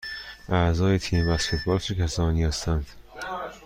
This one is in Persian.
اعضای تیم بسکتبال چه کسانی هستند؟